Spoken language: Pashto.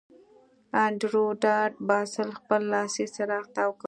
انډریو ډاټ باس خپل لاسي څراغ تاو کړ